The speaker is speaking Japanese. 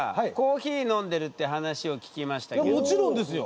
もちろんですよ。